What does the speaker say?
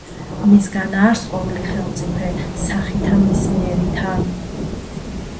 მისგან არს ყოვლი ხელმწიფე სახითა მის მიერითა